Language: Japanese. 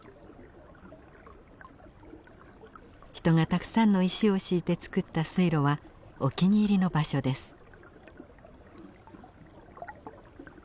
人がたくさんの石を敷いて造った水路はお気に入りの場所です。